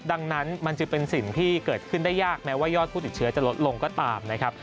ดังนั้นมันจึงเป็นสิ่งที่เกิดขึ้นได้ยากแม้ว่ายอดผู้ติดเชื้อจะลดลงก็ตามนะครับ